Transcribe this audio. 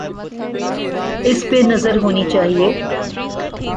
اس پہ نظر ہونی چاہیے۔